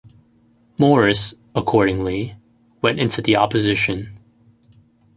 Morris, accordingly, went into the opposition.